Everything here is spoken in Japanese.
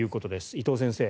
伊藤先生